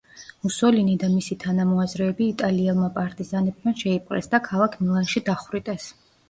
მუსოლინი და მისი თანამოაზრეები იტალიელმა პარტიზანებმა შეიპყრეს და ქალაქ მილანში დახვრიტეს.